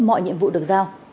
mọi nhiệm vụ được giao